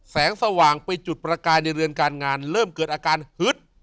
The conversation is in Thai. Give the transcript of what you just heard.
แสงสว่างไปจุดประกายในเรือนการงานเริ่มเกิดอาการฮึด